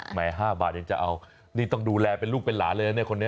๕บาทยังจะเอานี่ต้องดูแลเป็นลูกเป็นหลานเลยนะเนี่ยคนนี้